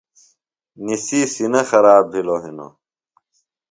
نِسی سِینہ خراب بِھلوۡ ہِنوۡ۔